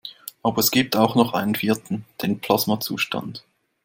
Aber es gibt auch noch einen vierten: Den Plasmazustand.